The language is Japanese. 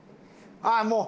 ああもう。